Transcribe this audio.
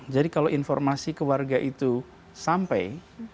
jadi kalau informasi ke warga itu sampai